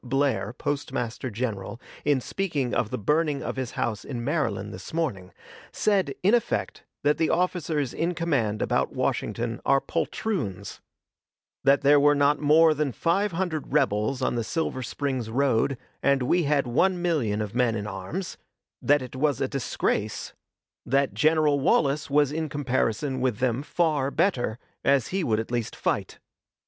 Blair, Postmaster General, in speaking of the burning of his house in Maryland this morning, said, in effect, that the officers in command about Washington are poltroons; that there were not more that five hundred rebels on the Silver Springs road, and we had one million of men in arms; that it was a disgrace; that General Wallace was in comparison with them far better, as he would at least fight.